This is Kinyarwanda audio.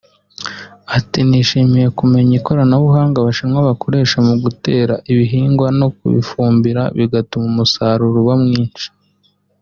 Ati “Nishimiye kumenya ikoranabuhanga Abashinwa bakoresha mu gutera ibihingwa no kubifumbira bigatuma umusaruro uba mwishi